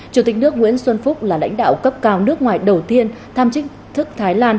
chủ tịch nước nguyễn xuân phúc là lãnh đạo cấp cao nước ngoài đầu tiên thăm chính thức thái lan